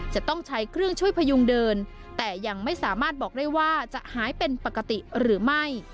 จะต้องใช้เครื่องช่วยพยุงเดินแต่ยังไม่สามารถบอกได้ว่าจะหายเป็นปกติหรือไม่